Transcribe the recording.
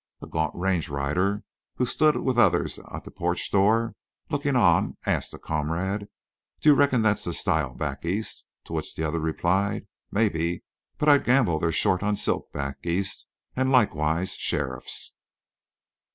And a gaunt range rider, who stood with others at the porch door, looking on, asked a comrade: "Do you reckon that's style back East?" To which the other replied: "Mebbe, but I'd gamble they're short on silk back East an' likewise sheriffs."